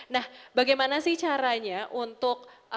nah bagaimana sih caranya untuk